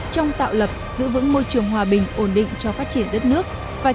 trong tạo lập giữ vững môi trường hòa bình ổn định cho phát triển đất nước